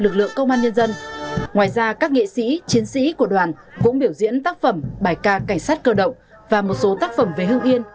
công an nhân dân ngoài ra các nghệ sĩ chiến sĩ của đoàn cũng biểu diễn tác phẩm bài ca cảnh sát cơ động và một số tác phẩm về hương yên